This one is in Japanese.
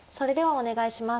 お願いします。